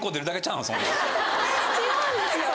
違うんですよ。